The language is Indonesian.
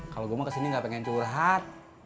kalau gue mau ke sini gak pengen curhat